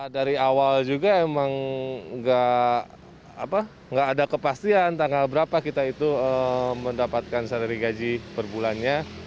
dari awal juga emang nggak ada kepastian tanggal berapa kita itu mendapatkan sandari gaji per bulannya